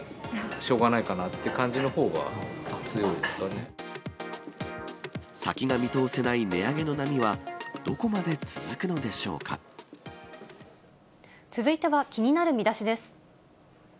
しょうがないかなっていう感先が見通せない値上げの波は、続いては気になるミダシです。